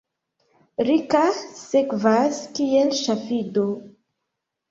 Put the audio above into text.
Rika, sekvas kiel ŝafido.